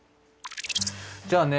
じゃあね